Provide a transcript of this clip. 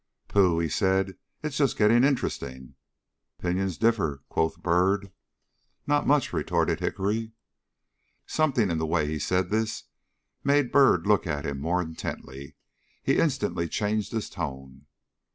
"Pooh!" said he, "it's just getting interesting." "Opinions differ," quoth Byrd. "Not much," retorted Hickory. Something in the way he said this made Byrd look at him more intently. He instantly changed his tone.